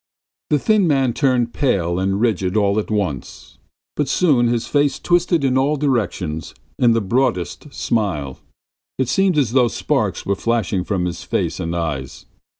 The thin man turned pale and rigid all at once, but soon his face twisted in all directions in the broadest smile; it seemed as though sparks were flashing from his face and eyes.